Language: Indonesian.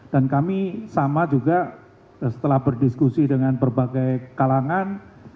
dan kami sama juga setelah berdiskusi dengan berbagai kalangan